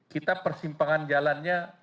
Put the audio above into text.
kita persimpangan jalannya